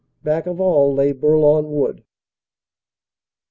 Back of all lay Bourlon Wood.